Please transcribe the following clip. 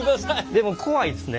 でも怖いですね。